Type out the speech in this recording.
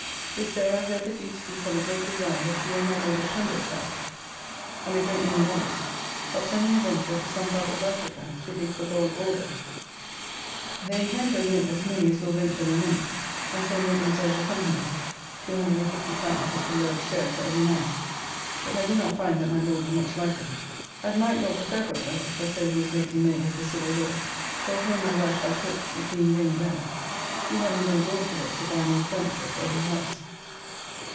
This day I heard the Duke speak of a great design that he and my Lord of Pembroke have, and a great many others, of sending a venture to some parts of Africa to dig for gold ore there. They intend to admit as many as will venture their money, and so make themselves a company. L250 is the lowest share for every man. But I do not find that my Lord do much like it. At night Dr. Fairbrother (for so he is lately made of the Civil Law) brought home my wife by coach, it being rainy weather, she having been abroad today to buy more furniture for her house.